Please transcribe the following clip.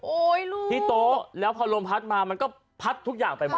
ที่โต๊ะแล้วพอลมพัดมามันก็พัดทุกอย่างไปหมด